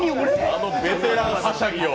あのベテランはしゃぎを。